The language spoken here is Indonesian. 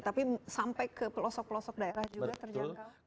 tapi sampai ke pelosok pelosok daerah juga terjangkau